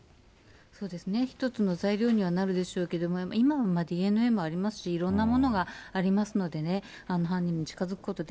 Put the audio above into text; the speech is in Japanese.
そうですね、一つの材料にはなるでしょうけど、今はＤＮＡもありますし、いろんなものがありますのでね、犯人に近づくことが。